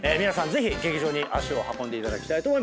ぜひ劇場に足を運んでいただきたいと思います。